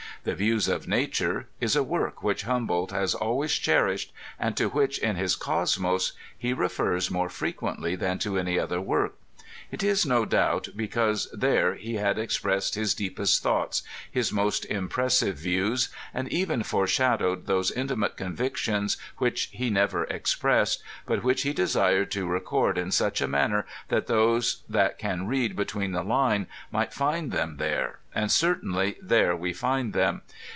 The u Views of Nature " is a work which Humboldt has always cher ished, and to which in his Cosmos he refers more frequently than to any other work. It is no doubt because there he had ex pressed his deepest thoughts, his most impressive views, and even foreshadowed those intimate convictions which he never expressed, but which he desired to record in such a manner that those that can read between the line might find them there; and certainly there we find them.